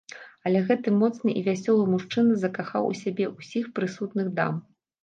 Але гэты моцны і вясёлы мужчына закахаў у сябе ўсіх прысутных дам.